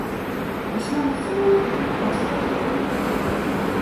Dêr sil noch fûl oan arbeide wurde moatte.